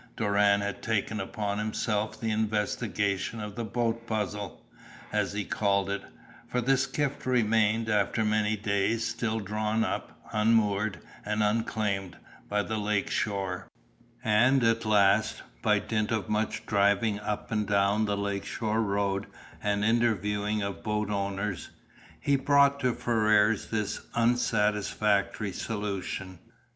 Doran had taken upon himself the investigation of the "boat puzzle," as he called it, for the skiff remained, after many days, still drawn up, unmoored and unclaimed, by the lake shore; and at last, by dint of much driving up and down the lake shore road and interviewing of boat owners, he brought to Ferrars this unsatisfactory solution.